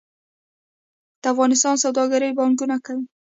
د افغانستان سوداګر پانګونه کوي